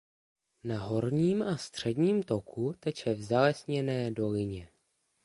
Na horním a středním toku teče v zalesněné dolině.